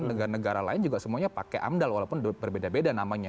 negara negara lain juga semuanya pakai amdal walaupun berbeda beda namanya